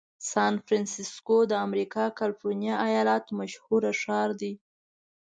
سان فرنسیسکو د امریکا کالفرنیا ایالت مشهوره ښار دی.